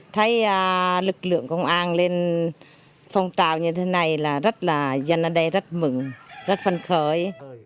thấy lực lượng công an lên phong trào như thế này là rất là dân ở đây rất mừng rất phân khởi